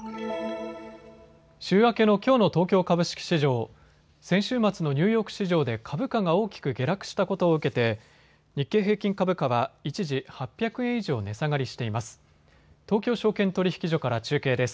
週明けのきょうの東京株式市場、先週末のニューヨーク市場で株価が大きく下落したことを受けて日経平均株価は一時８００円以上値下がりしています。